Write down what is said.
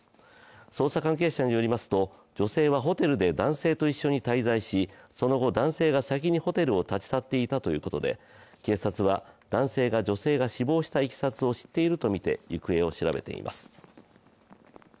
捜査関係者によりますと女性はホテルと男性と一緒に滞在しその後、男性が先にホテルを立ち去っていたということで、警察は男性が、女性が死亡したいきさつを知っているとみて行方を調べています。